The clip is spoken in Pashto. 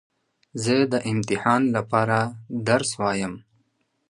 زه د امتحان له پاره درس وایم.